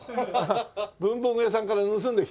文房具屋さんから盗んできたんだ。